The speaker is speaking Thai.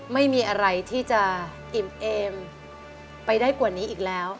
ไม่มีอะไรที่จะอิ่มเอมไปได้กว่านี้อีกแล้ว